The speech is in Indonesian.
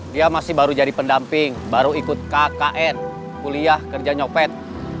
dia masih baru jadi pendamping baru ikut kkn kuliah kerja nyopet